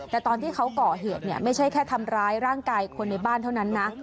แต่ตอนที่เขาก่อเหตุไม่ใช่แค่ทำร้ายร่างกายคนในบ้านเท่านั้นนะ